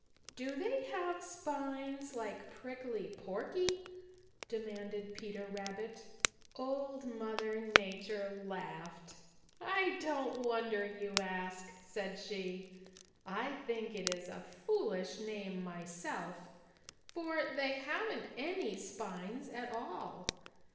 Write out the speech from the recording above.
"Do they have spines like Prickly Porky?" demanded Peter Rabbit. Old Mother Nature laughed. "I don't wonder you ask," said she. "I think it is a foolish name myself, for they haven't any spines at all.